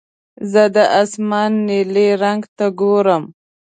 زه د اسمان نیلي رنګ ته ګورم.